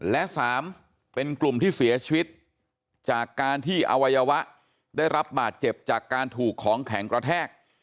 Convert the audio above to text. และ๓เป็นกลุ่มที่เสียชีวิตจากการที่อวัยวะได้รับบาดเจ็บจากการถูกของแข็งกระแทก